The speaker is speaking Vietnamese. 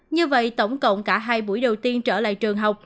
như vậy tổng cộng cả hai buổi đầu tiên trở lại trường học